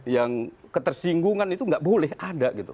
yang ketersinggungan itu nggak boleh ada gitu